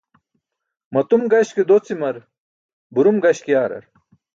Matum gaśke docimar burum gaśk yaarar.